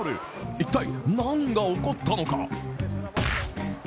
一体、何が起こったのか？